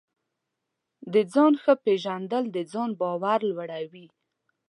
د ځان ښه پېژندل د ځان باور لوړوي.